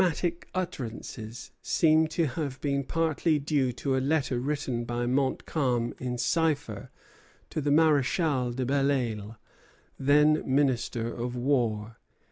These drastic utterances seem to have been partly due to a letter written by Montcalm in cipher to the Maréchal de Belleisle, then minister of war.